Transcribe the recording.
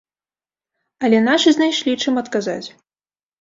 Але нашы знайшлі, чым адказаць.